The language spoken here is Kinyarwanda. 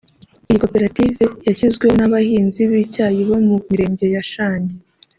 Iyi koperative yashyizweho n’abahinzi b’icyayi bo mu Mirenge ya Shangi